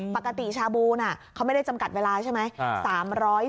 ปกติชาบูน่ะเขาไม่ได้จำกัดเวลาใช่ไหม